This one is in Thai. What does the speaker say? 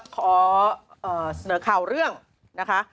ขอเสนอข่าวเรื่องนะคะ